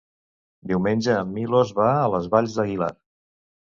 Diumenge en Milos va a les Valls d'Aguilar.